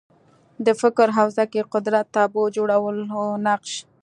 د فکر حوزه کې قدرت تابو جوړولو نقش